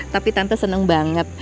tapi tante seneng banget